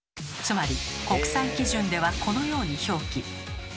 つまり国際基準ではこのように表記。